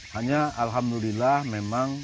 hanya alhamdulillah memang